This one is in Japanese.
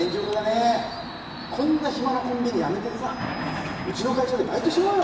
こんな暇なコンビニ辞めてさうちの会社でバイトしようよ。